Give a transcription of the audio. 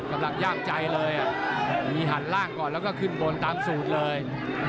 ย่ามใจเลยมีหันล่างก่อนแล้วก็ขึ้นบนตามสูตรเลย